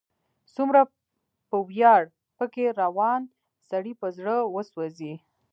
څومره په ویاړ، په کې روان، سړی په زړه وسوځي